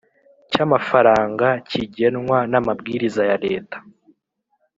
cy amafaranga kigenwa n amabwiriza ya leta